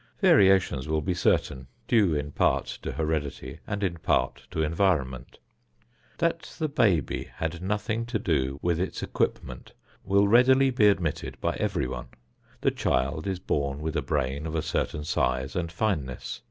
Variations will be certain, due in part to heredity and in part to environment. That the baby had nothing to do with its equipment will readily be admitted by everyone. The child is born with a brain of a certain size and fineness.